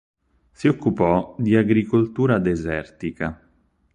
Si occupò di agricoltura desertica.